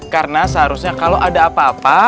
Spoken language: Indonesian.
karena seharusnya kalau ada apa apa